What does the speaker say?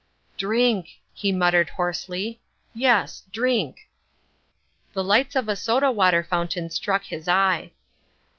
"Drink," he muttered hoarsely, "yes, drink." The lights of a soda water fountain struck his eye.